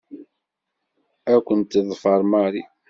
Ad ken-teḍfer Mary.